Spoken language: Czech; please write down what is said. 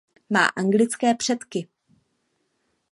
Má anglické předky.